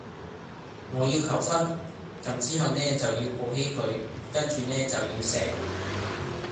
我要求婚，咁之後呢就要抱起佢跟住呢就要錫